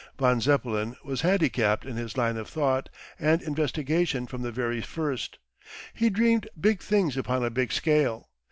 Von Zeppelin was handicapped in his line of thought and investigation from the very first. He dreamed big things upon a big scale.